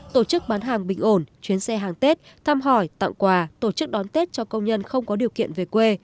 tổ chức bán hàng bình ổn chuyến xe hàng tết thăm hỏi tặng quà tổ chức đón tết cho công nhân không có điều kiện về quê